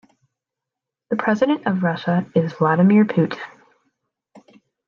The president of Russia is Vladimir Putin.